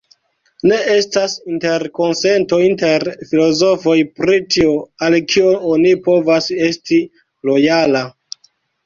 Ne estas interkonsento inter filozofoj pri tio al kio oni povas esti lojala.